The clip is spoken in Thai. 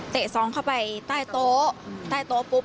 ซองเข้าไปใต้โต๊ะใต้โต๊ะปุ๊บ